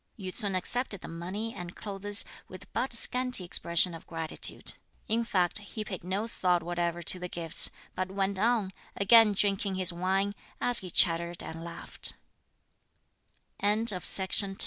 Yü ts'un accepted the money and clothes with but scanty expression of gratitude. In fact, he paid no thought whatever to the gifts, but went on, again drinking his wine, as he chattered and laughed.